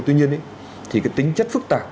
tuy nhiên thì cái tính chất phức tạp